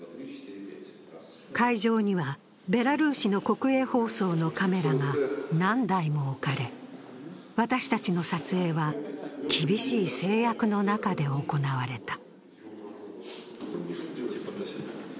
会場には、ベラルーシの国営放送のカメラが何台も置かれ私たちの撮影は厳しい制約の中で行われた。